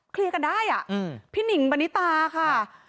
เคลียร์กันได้อ่ะอืมพี่นิ่งบรรณิตาค่ะค่ะ